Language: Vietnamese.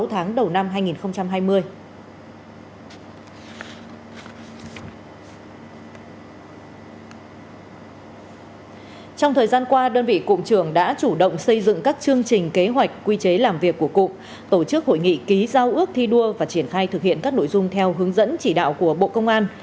trong thời gian qua đơn vị cụm trường đã chủ động xây dựng các chương trình kế hoạch quy chế làm việc của cụm tổ chức hội nghị ký giao ước thi đua và triển khai thực hiện các nội dung theo hướng dẫn chỉ đạo của bộ công an